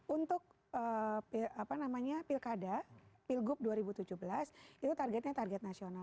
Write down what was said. untuk pilkada pilgub dua ribu tujuh belas itu targetnya target nasional